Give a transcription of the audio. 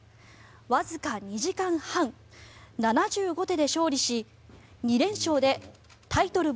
わずか２時間半、７５手で勝利し２連勝でタイトル